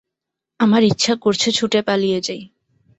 আমার ইচ্ছে করছে ছুটে পালিয়ে যাই।